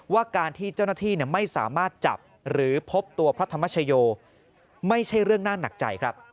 ว่าการที่เจ้าหน้าที่ไม่สามารถจับหรือพบตัวพระธรรมชโยไม่ใช่เรื่องน่าหนักใจครับ